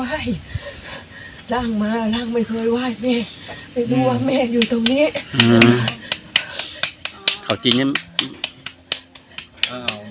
ล้างมาล้างไม่เคยไหว้จะบ้า